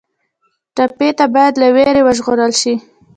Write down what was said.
ټپي ته باید له وېرې وژغورل شي.